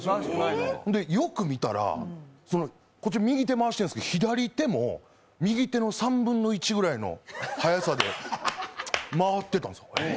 よく見たら、こっち右手回してるんですけど、左手も右手の３分の１ぐらいの速さで回ってたんですよ。